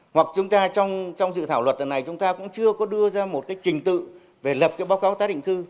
hoặc trong dự thảo luật này chúng ta cũng chưa đưa ra một trình tự về lập báo cáo tác định cư